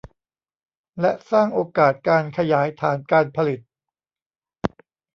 และสร้างโอกาสการขยายฐานการผลิต